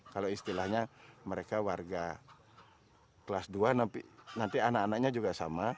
kalau istilahnya mereka warga kelas dua nanti anak anaknya juga sama